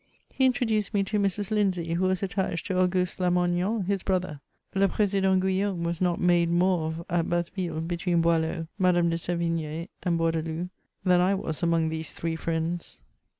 He introduced me to Mrs. Lindsavy who was attached to Aa giiste Lamoignon, his brother: le Prdsidetit Guillatune was not made more of at Basville between Boilean, Madame de Seyigne, and Bourdaloue, thim I was among these three friends.